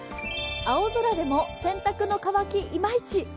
青空でも洗濯の乾き、イマイチ。